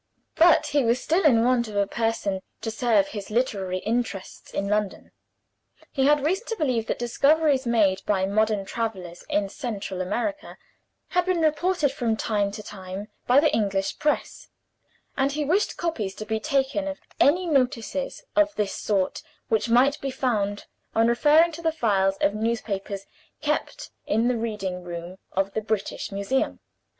But he was still in want of a person to serve his literary interests in London. He had reason to believe that discoveries made by modern travelers in Central America had been reported from time to time by the English press; and he wished copies to be taken of any notices of this sort which might be found, on referring to the files of newspapers kept in the reading room of the British Museum.